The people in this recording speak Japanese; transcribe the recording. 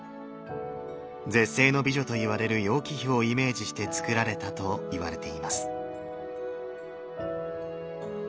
絶世の美女といわれる楊貴妃をイメージしてつくられたといわれています。